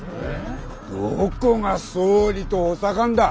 どこが総理と補佐官だ。